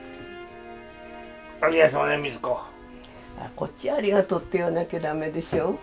こっち「ありがとう」って言わなきゃダメでしょう。